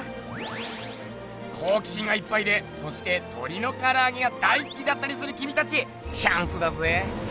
こうき心がいっぱいでそしてとりのからあげが大すきだったりするきみたちチャンスだぜ！